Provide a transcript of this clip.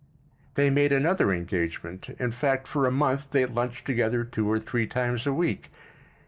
They made another engagement; in fact, for a month they lunched together two or three times a week.